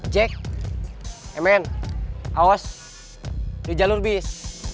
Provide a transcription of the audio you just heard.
jack emen awos di jalur bis